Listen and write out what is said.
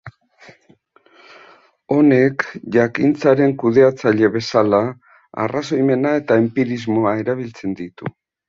Honek jakintzaren kudeatzaile bezala, arrazoimena eta enpirismoa erabiltzen ditu.